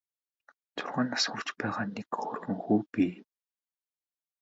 Зургаан нас хүрч байгаа нэг хөөрхөн хүү бий.